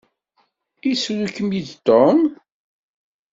Isru-kem-id Tom?